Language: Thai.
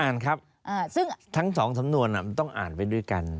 อ่านครับซึ่งทั้งสองสำนวนมันต้องอ่านไปด้วยกัน